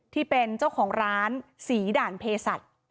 ที่เป็นเจ้าของร้านศรีด่านเพศัตริย์